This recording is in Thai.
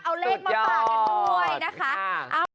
เอาเลขมาฝากกันด้วยนะคะสุดยอด